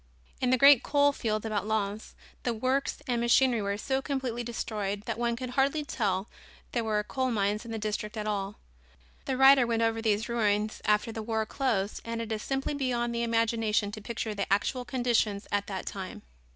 In the great coal fields about Lens the works and machinery were so completely destroyed that one could hardly tell there were coal mines in the district at all. The writer went over these ruins after the war closed and it is simply beyond the imagination to picture the actual conditions at that time.